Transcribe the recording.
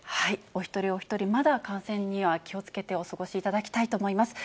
お一人お一人、まだ感染には気をつけてお過ごしいただきたいと思います。